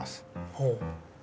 ほう。